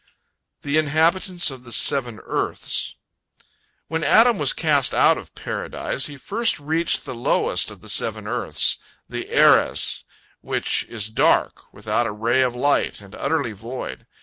THE INHABITANTS OF THE SEVEN EARTHS When Adam was cast out of Paradise, he first reached the lowest of the seven earths, the Erez, which is dark, without a ray of light, and utterly void.